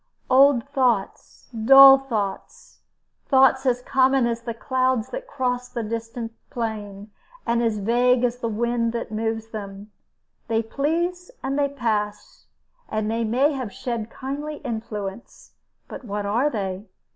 Old thoughts, dull thoughts, thoughts as common as the clouds that cross the distant plain, and as vague as the wind that moves them they please and they pass, and they may have shed kindly influence, but what are they?